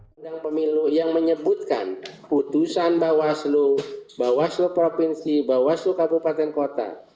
undang pemilu yang menyebutkan putusan bawaslu bawaslu provinsi bawaslu kabupaten kota